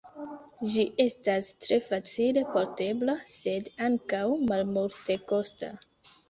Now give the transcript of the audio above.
Ĝi estas tre facile portebla, sed ankaŭ malmultekosta.